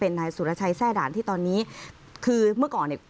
นายสุรชัยแทร่ด่านที่ตอนนี้คือเมื่อก่อนเนี่ย